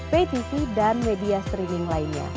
pay tv dan media streaming lainnya